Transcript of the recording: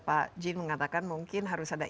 pak jin mengatakan mungkin harus ada